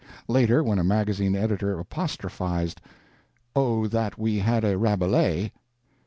Later, when a magazine editor apostrophized, "O that we had a Rabelais!"